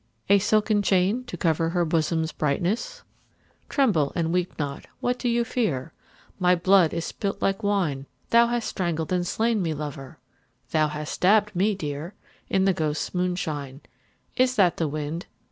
A silken chain, to cover Her bosom's brightness ? (Tremble and weep not : what dost thou fear ?)— My blood is spUt like wine, Thou hast strangled and slain me, lover. Thou hast stabbed me dear. In the ghosts' moonshine. Is that the wind